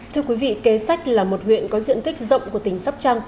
thưa quý vị kế sách là một huyện có diện tích rộng của tỉnh sóc trăng